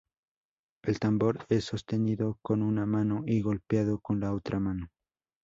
El tambor es sostenido con una mano, y golpeado con la otra mano.